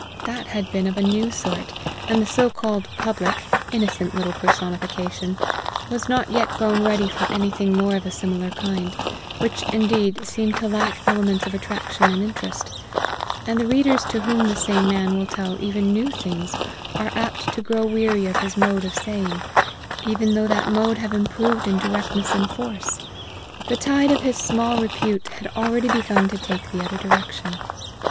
That had been of a new sort, and the so called Public, innocent little personification, was not yet grown ready for anything more of a similar kind, which, indeed, seemed to lack elements of attraction and interest; and the readers to whom the same man will tell even new things are apt to grow weary of his mode of saying, even though that mode have improved in directness and force; the tide of his small repute had already begun to take the other direction.